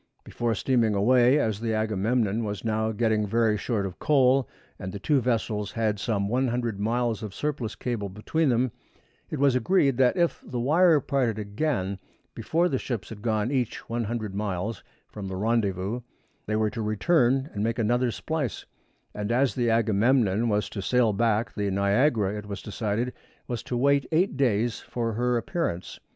Before steaming away, as the Agamemnon was now getting very short of coal, and the two vessels had some 100 miles of surplus cable between them, it was agreed that if the wire parted again before the ships had gone each 100 miles from the rendezvous they were to return and make another splice; and as the Agamemnon was to sail back, the Niagara, it was decided, was to wait eight days for her appearance.